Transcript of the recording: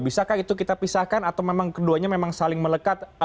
bisakah itu kita pisahkan atau memang keduanya memang saling melekat